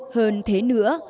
hơn thế nữa